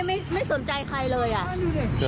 ไม่ไม่สนใจใครเลยอ่ะเงิ่ม